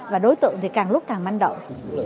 và đối tượng thì càng lúc càng manh động